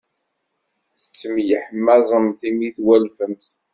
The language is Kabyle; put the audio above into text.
Tettemyeḥmaẓemt imi twalfemt.